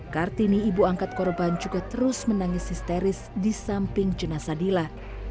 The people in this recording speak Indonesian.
kartini ibu angkat korban juga terus menangis histeris di samping jenazah dila